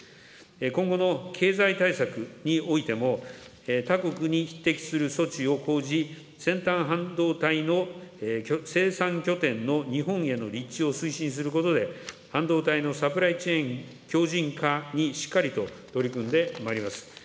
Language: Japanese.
今後の経済対策においても、他国に匹敵する措置を講じ、先端半導体の生産拠点の日本への立地を推進することで、半導体のサプライチェーン強じん化にしっかりと取り組んでまいります。